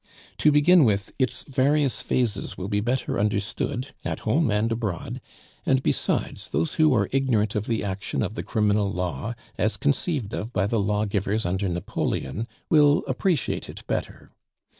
To begin with, its various phases will be better understood at home and abroad, and, besides, those who are ignorant of the action of the criminal law, as conceived of by the lawgivers under Napoleon, will appreciate it better.